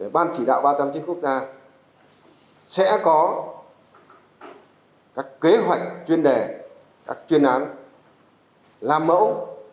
ban chỉ đạo ba trăm tám mươi chín quốc gia sẽ có các kế hoạch chuyên đề các chuyên án làm mẫu